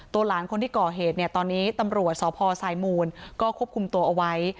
หลานคนที่ก่อเหตุเนี่ยตอนนี้ตำรวจสพสายมูลก็ควบคุมตัวเอาไว้